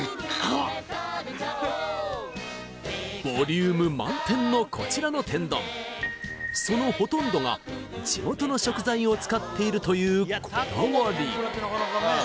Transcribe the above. ボリューム満点のこちらの天丼そのほとんどが地元の食材を使っているというこだわり！